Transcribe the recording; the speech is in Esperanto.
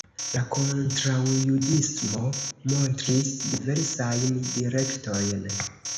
La kontraŭjudismo montris diversajn direktojn.